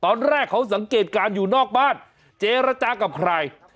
ตอนแรกเขาสังเกตการณ์อยู่นอกบ้านเจรจากับใคร